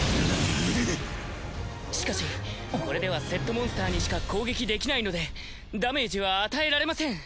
しかしこれではセットモンスターにしか攻撃できないのでダメージは与えられません。